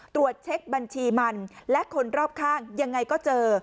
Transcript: ตรวจเช็คบัญชีมันและคนรอบข้างยังไงก็เจอ